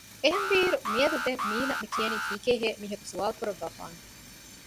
އެހެންވީ އިރު މިއަދު ދެން މީނަ މި ކިޔަނީ ކީކޭހޭ މީހަކު ސުވާލުކުރައްވައިފާނެ